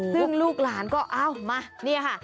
ซึ่งลูกหลานก็เอ้ามานี่ค่ะ